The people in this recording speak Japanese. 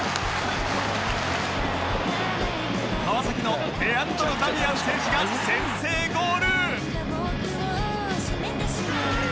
川崎のレアンドロ・ダミアン選手が先制ゴール！